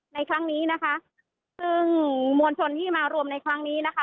ในครั้งนี้นะคะซึ่งมวลชนที่มารวมในครั้งนี้นะคะ